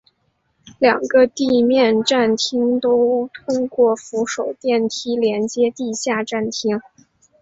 两个地面站厅都通过扶手电梯连接地下站厅。